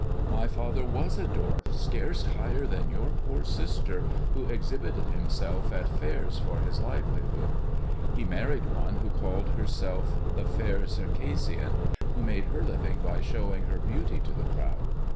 ''My father was a dwarf scarce it 68 THE dwarf's chamber higher than your poor sister, who exhibited himself at fail for his livelihood. He married one who called herself tt Fair Circassian, who made her living by showing he beauty to the crowd.